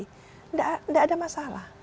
tidak ada masalah